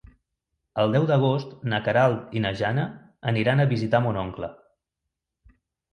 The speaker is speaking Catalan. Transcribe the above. El deu d'agost na Queralt i na Jana aniran a visitar mon oncle.